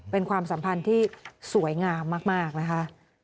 เป็นความสัมพันธ์ที่สวยงามมากนะคะ